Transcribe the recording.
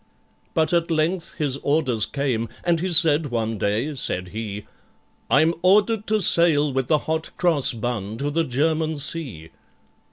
But at length his orders came, and he said one day, said he, "I'm ordered to sail with the Hot Cross Bun to the German Sea."